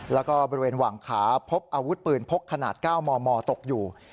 แล้วก็บริเวณหว่างขาพบอาวุธปืนพกขนาด๙มมตกอยู่